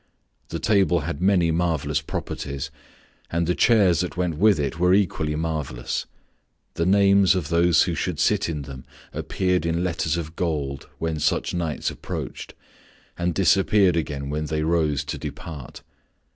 The table had many marvelous properties, and the chairs that went with it were equally marvelous. The names of those who should sit in them appeared in letters of gold when such knights approached, and disappeared again when they rose to depart.